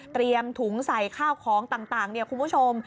เตรียมถุงใส่ข้าวของต่างคุณผู้ชม